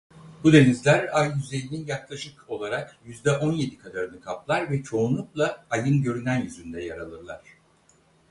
Bu denizler Ay yüzeyinin yaklaşık olarak yüzde on yedi kadarını kaplar ve çoğunlukla Ay'ın görünen yüzünde yer alırlar.